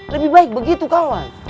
lebih baik begitu kawan